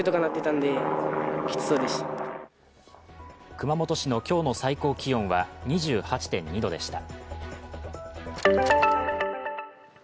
熊本市の今日の最高気温は２８．２度でした。